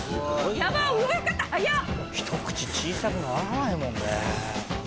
ひと口小さくならないもんね。